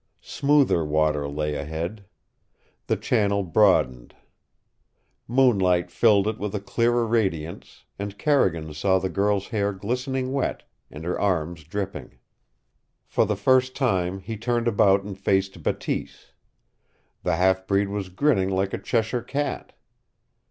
Smoother water lay ahead. The channel broadened. Moonlight filled it with a clearer radiance, and Carrigan saw the girl's hair glistening wet, and her arms dripping. For the first time he turned about and faced Bateese. The half breed was grinning like a Cheshire cat!